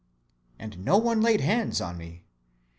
And no one laid hands on me.